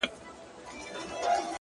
o د ښایستونو خدایه سر ټیټول تاته نه وه؛